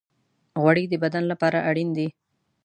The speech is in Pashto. غوړې د بدن لپاره اړین دي.